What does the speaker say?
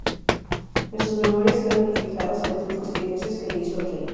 En sus memorias quedan reflejadas algunas confidencias que le hizo el rey.